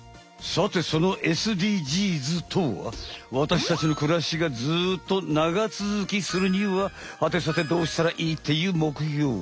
さてそのＳＤＧｓとは私たちのくらしがずっと長続きするにははてさてどうしたらいいっていう目標。